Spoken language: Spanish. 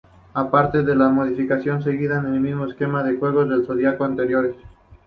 Aparte de esta modificación, seguía el mismo esquema de juegos del zodiaco anteriores.